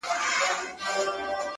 • هم یې بوی هم یې لوګی پر ځان منلی ,